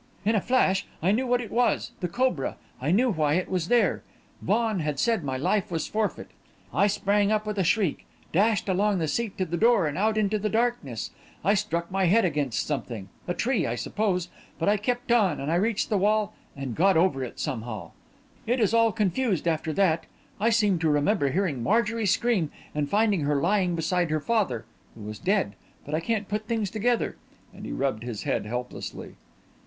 "In a flash, I knew what it was the cobra; I knew why it was there Vaughan had said my life was forfeit. I sprang up with a shriek, dashed along the seat to the door and out into the darkness. I struck my head against something a tree, I suppose; but I kept on, and reached the wall and got over it somehow it is all confused, after that. I seem to remember hearing Marjorie scream, and finding her lying beside her father, who was dead but I can't put things together," and he rubbed his head helplessly.